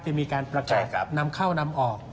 จะมีการประกาศนำเข้านำออก